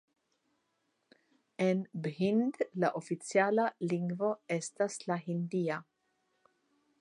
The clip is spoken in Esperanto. En Bhind la oficiala lingvo estas la hindia.